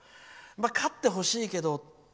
まあ、勝ってほしいけど。